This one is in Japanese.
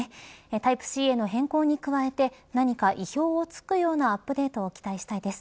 タイプＣへの変更に加えて何か意表を突くようなアップデートを期待したいです。